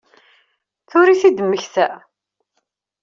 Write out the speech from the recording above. Tura i t-id-temmekta?